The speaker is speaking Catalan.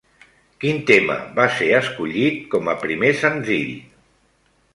Quin tema va ser escollit com a primer senzill?